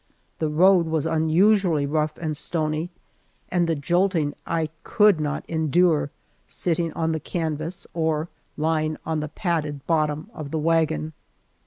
The road was unusually rough and stony, and the jolting I could not endure, sitting on the canvas or lying on the padded bottom of the wagon.